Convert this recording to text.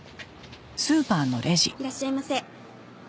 いらっしゃいませ。